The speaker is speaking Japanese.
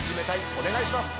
お願いします。